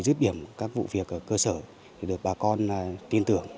giúp điểm các vụ việc ở cơ sở được bà con tin tưởng